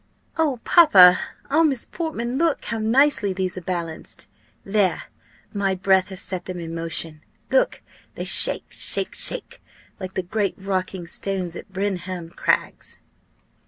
"Oh, papa! Oh, Miss Portman! look how nicely these are balanced. There! my breath has set them in motion. Look, they shake, shake, shake, like the great rocking stones at Brimham Crags."